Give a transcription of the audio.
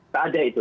tak ada itu